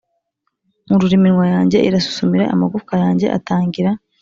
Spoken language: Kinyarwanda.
nkurura iminwa yanjye irasusumira amagufwa yanjye atangira